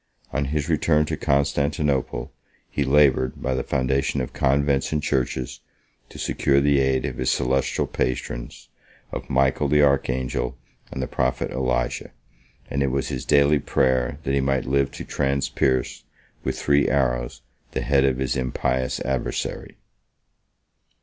On his return to Constantinople, he labored, by the foundation of convents and churches, to secure the aid of his celestial patrons, of Michael the archangel and the prophet Elijah; and it was his daily prayer that he might live to transpierce, with three arrows, the head of his impious adversary.